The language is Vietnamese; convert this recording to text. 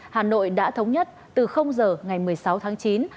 hà nội đã thống nhất từ giờ ngày một mươi sáu tháng chín